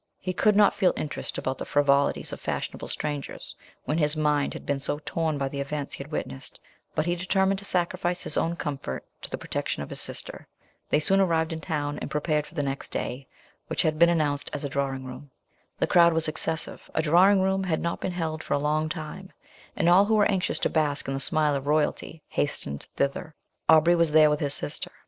He could not feel interest about the frivolities of fashionable strangers, when his mind had been so torn by the events he had witnessed; but he determined to sacrifice his own comfort to the protection of his sister. They soon arrived in town, and prepared for the next day, which had been announced as a drawing room. The crowd was excessive a drawing room had not been held for a long time, and all who were anxious to bask in the smile of royalty, hastened thither. Aubrey was there with his sister.